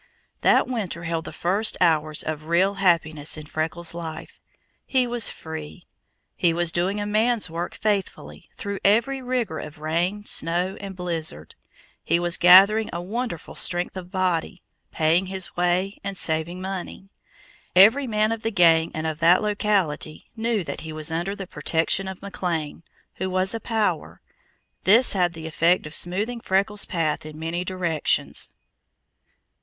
That winter held the first hours of real happiness in Freckles' life. He was free. He was doing a man's work faithfully, through every rigor of rain, snow, and blizzard. He was gathering a wonderful strength of body, paying his way, and saving money. Every man of the gang and of that locality knew that he was under the protection of McLean, who was a power, this had the effect of smoothing Freckles' path in many directions.